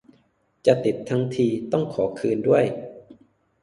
จะติดทั้งทีต้องขอคืนด้วย